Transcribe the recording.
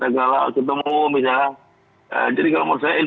dan agak melaksanakan tugas masing masing